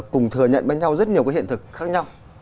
cùng thừa nhận với nhau rất nhiều cái hiện thực khác nhau